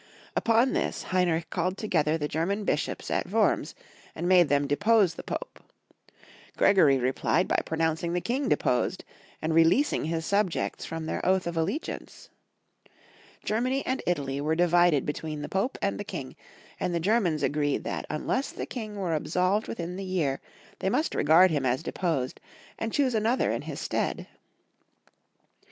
Upon this Heinrich called together the German bishops at Wurms, and made them depose the Pope. Gregory replied by pronouncing the King deposed, and re leasing his subjects from their oath of allegiance. Germany and Italy were divided between the Pope and the King, and the Germans agreed that unless the King were absolved within the year they must regard him as deposed, and choose another in his stead.